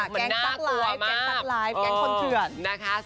แก๊งตั๊กไล้แก๊งคนเผื่อนมันน่ากลัวมากนะคะ